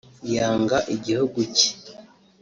yanga igihugu cye